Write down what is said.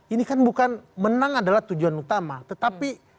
ini kan bukan menang adalah tujuan utama tetapi